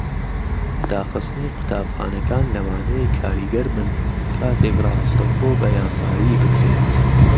داخستنی قوتابخانەکان لەوانەیە کاریگەر بن کاتێک ڕاستەوخۆ بەیاسایی بکرێت.